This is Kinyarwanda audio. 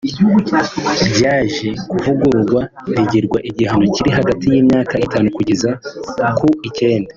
ryaje kuvugururwa rigirwa igihano kiri hagati y’imyaka itanu kugeza ku icyenda